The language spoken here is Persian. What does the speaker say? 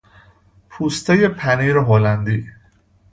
پوستهی پنیر هلندی